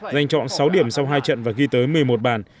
danh chọn sáu điểm sau hai trận và ghi tới một mươi một bàn